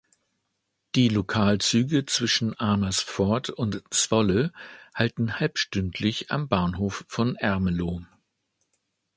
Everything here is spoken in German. Die Lokalzüge zwischen Amersfoort und Zwolle halten halbstündlich am Bahnhof von Ermelo.